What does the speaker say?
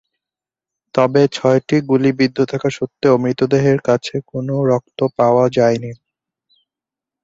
তবে ছয়টি গুলি বিদ্ধ থাকা সত্ত্বেও মৃতদেহের কাছে কোনও রক্ত পাওয়া যায়নি।